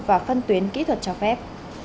và phân tuyến kỹ thuật cho phép